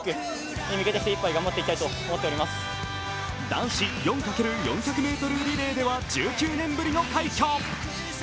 男子４×４００ｍリレーでは１９年ぶりの快挙。